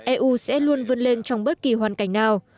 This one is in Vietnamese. eu sẽ luôn vươn lên trong bất kỳ hoàn cảnh nào